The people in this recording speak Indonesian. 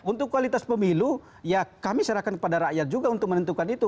untuk kualitas pemilu ya kami serahkan kepada rakyat juga untuk menentukan itu